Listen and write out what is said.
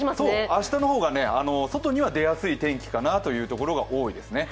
明日の方が外には出やすい天気かなというところが多いんです。